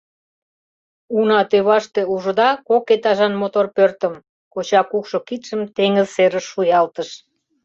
— Уна тӧваште ужыда кок этажан мотор пӧртым? — коча кукшо кидшым теҥыз серыш шуялтыш!.